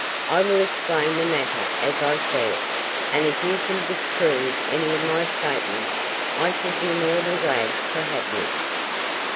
"I will explain the matter as I see it, and if you can disprove any of my statements I shall be more than glad to have you."